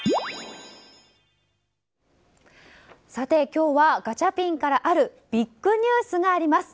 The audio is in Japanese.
今日は、ガチャピンからあるビッグニュースがあります。